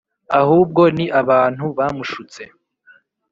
ahubwo ni abantu bamushutse.